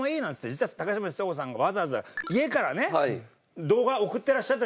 実は高嶋ちさ子さんがわざわざ家からね動画送ってらっしゃった。